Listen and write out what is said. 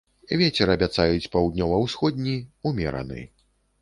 Вецер абяцаюць паўднёва-ўсходні, умераны.